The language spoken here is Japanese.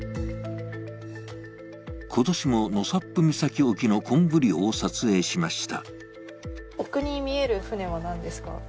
今年も納沙布岬沖の昆布漁を撮影しました。